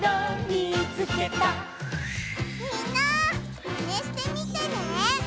みんなまねしてみてね！